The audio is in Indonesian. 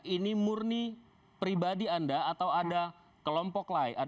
ini murni pribadi anda atau ada kelompok lain